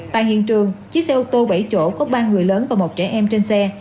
tại hiện trường chiếc xe ô tô bảy chỗ có ba người lớn và một trẻ em trên xe